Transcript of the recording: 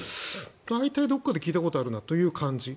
大体どこかで聞いたことがあるなという感じ。